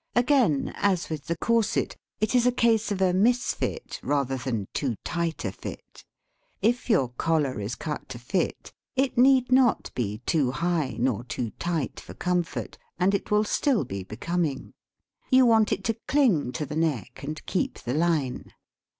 Again, as with the corset, it is a case of a misfit rather than too tight a fit. If your collar is cut to fit, it need not be too 16 LEARNING TO FREE THE TONE high nor too tight for comfort, and it will still be becoming. You want it to cling to the neck and keep the line.